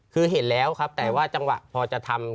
คือเห็นแล้วครับแต่ว่าจังหวะพอจะทำ